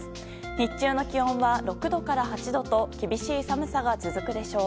日中の気温は、６度から８度と厳しい寒さが続くでしょう。